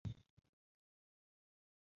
Qolgan dardlar – charxning hazili!